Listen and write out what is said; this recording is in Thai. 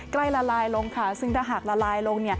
ละลายลงค่ะซึ่งถ้าหากละลายลง